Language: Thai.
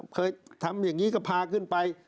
เคยทำอย่างนี้ก็พาขึ้นไป